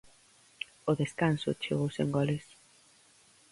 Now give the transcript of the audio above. O descanso chegou sen goles.